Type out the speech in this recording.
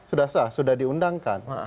sudah sah sudah diundangkan